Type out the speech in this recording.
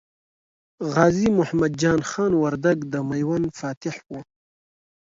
غازي محمد جان خان وردګ د میوند فاتح و.